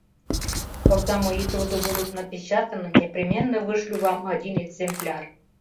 Когда мои труды будут напечатаны, непременно вышлю вам один экземпляр.